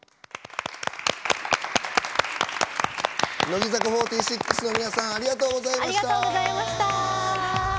乃木坂４６の皆さんありがとうございました。